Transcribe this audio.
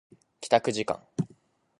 帰宅時間